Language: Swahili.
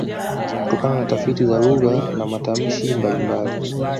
Kutokana na tafiti za lugha na matamshi mbalimbali